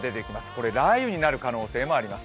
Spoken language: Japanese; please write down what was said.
これ雷雨になる可能性もあります。